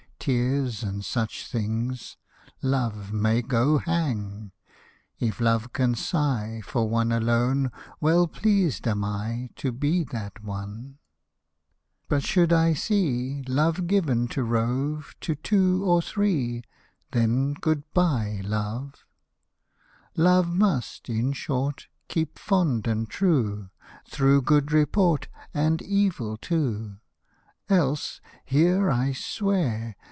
Tears, and such things — Love may go hang ! If Love can sigh For one alone, Well pleased am I To be that one. Hosted by Google 72 NATIONAL AIRS But should I see Love given to rove To two or three, Then — good by, Love ! Love must, in short. Keep fond and true, Through good report, And evil too. Else, here I swear.